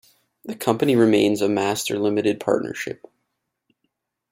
The company remains a master limited partnership.